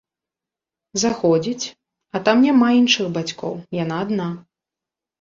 Заходзіць, а там няма іншых бацькоў, яна адна!